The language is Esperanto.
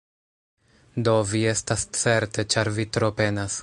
Do, vi estas certe ĉar vi tro penas